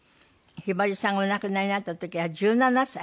ひばりさんがお亡くなりになった時は１７歳。